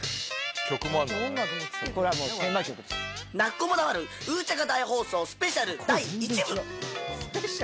泣く子も黙るウーチャカ大放送スペシャル第１部。